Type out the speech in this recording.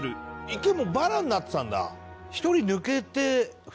一回もうバラになってたんだ。